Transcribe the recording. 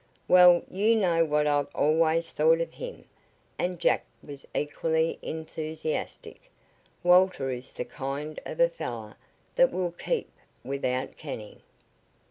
"Well, you know what I've always thought of him," and Jack was equally enthusiastic. "Walter is the kind of a fellow that will keep without canning."